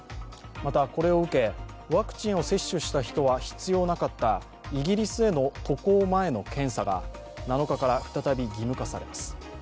また、これを受け、ワクチンを接種した人は必要なかったイギリスへの渡航前の検査が７日から再び義務化されます。